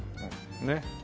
ねっ。